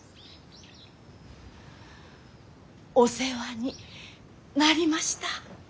お世話になりました。